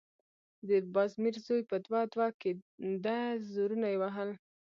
د بازمير زوی په دوه_ دوه کېده، زورونه يې وهل…